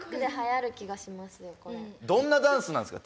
どんなダンスなんですか？